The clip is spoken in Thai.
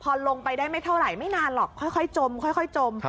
พอลงไปได้ไม่เท่าไหร่ไม่นานหรอกค่อยจมค่อยจม